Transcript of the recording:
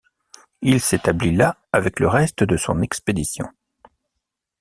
Il s'établit là avec le reste de son expédition.